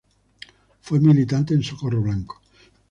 Fue militante en Socorro Blanco.